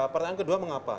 pertanyaan kedua mengapa